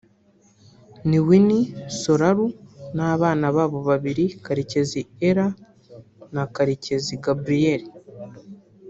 Niwin Sorlu n’abana babo babiri Karekezi Ellah na Karekezi Gabriel